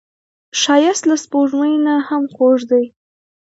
ښایست له سپوږمۍ نه هم خوږ دی